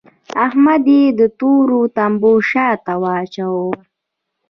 احمد يې د تورو تمبو شا ته واچاوو.